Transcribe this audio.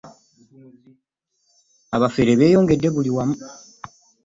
abafeere bbeyongedde buli wamu